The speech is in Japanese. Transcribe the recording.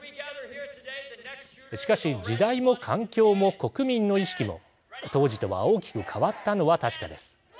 しかし時代も環境も国民の意識も当時とは大きく変わったのは確かです。